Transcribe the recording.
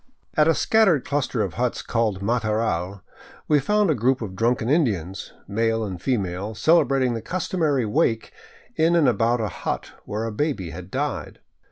At L scattered cluster of huts called Mataral we found a group of drunken Indians, male and female, celebrating the customary wake in and about a hut where a baby had died.